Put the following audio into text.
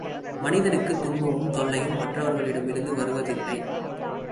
மனிதனுக்குத் துன்பமும் தொல்லையும் மற்றவர்களிடமிருந்து வருவதில்லை.